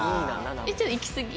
ちょっといきすぎ？